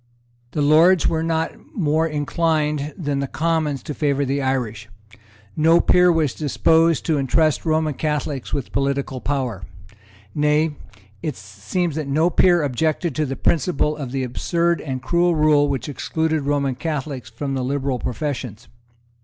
The Lords were not more inclined than the Commons to favour the Irish. No peer was disposed to entrust Roman Catholics with political power. Nay, it seems that no peer objected to the principle of the absurd and cruel rule which excluded Roman Catholics from the liberal professions.